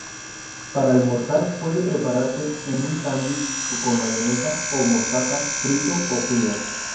Para almorzar puede prepararse en un sándwich con mahonesa o mostaza, frito o frío.